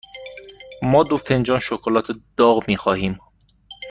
ما دو فنجان شکلات داغ می خواهیم.